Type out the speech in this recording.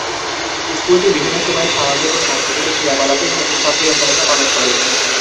স্কুলটি বিভিন্ন সময়ে সামাজিক ও সাংস্কৃতিক ক্রিয়াকলাপে সক্রিয় ভূমিকা পালন করে।